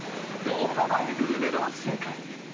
動画映えグルメの世界。